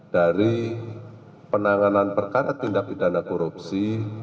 dari penanganan perkara tindak pidana korupsi